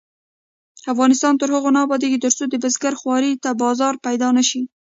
افغانستان تر هغو نه ابادیږي، ترڅو د بزګر خوارۍ ته بازار پیدا نشي.